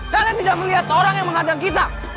kalian tidak melihat orang yang menghadang kita